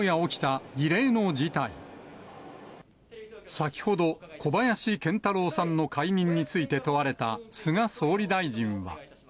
先ほど、小林賢太郎さんの解任について問われた菅総理大臣は。